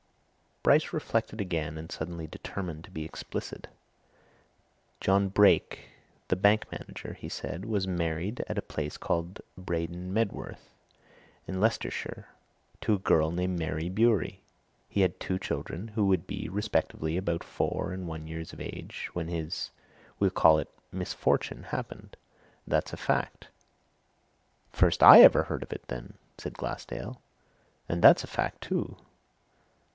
Bryce reflected again, and suddenly determined to be explicit. "John Brake, the bank manager," he said, "was married at a place called Braden Medworth, in Leicestershire, to a girl named Mary Bewery. He had two children, who would be, respectively, about four and one years of age when his we'll call it misfortune happened. That's a fact!" "First I ever heard of it, then," said Glassdale. "And that's a fact, too!"